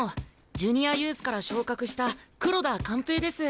ジュニアユースから昇格した黒田勘平です。